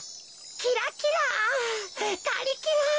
キラキラガリキラ。